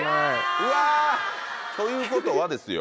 あぁ！ということはですよ